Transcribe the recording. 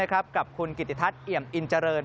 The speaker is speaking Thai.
กับคุณกิติทัศน์เอี่ยมอินเจริญ